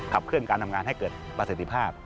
เคลื่อนการทำงานให้เกิดประสิทธิภาพ